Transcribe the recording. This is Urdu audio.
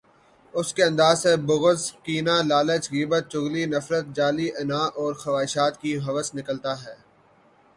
اس کے اندر سے بغض، کینہ، لالچ، غیبت، چغلی، نفرت، جعلی انااور خواہشات کی ہوس نکالتا ہے۔